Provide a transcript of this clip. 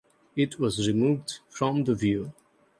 It was removed from view.